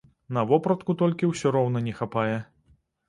На вопратку толькі ўсё роўна не хапае.